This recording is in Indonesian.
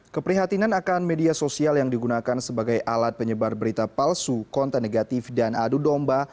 keprihatinan akan media sosial yang digunakan sebagai alat penyebar berita palsu konten negatif dan adu domba